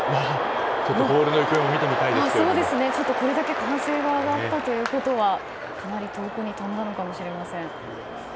ちょっと、このボールの行方もこれだけ歓声が上がったということはかなり遠くに飛んだのかもしれません。